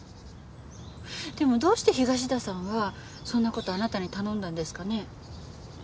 でもどうして東田さんはそんな事あなたに頼んだんですかね？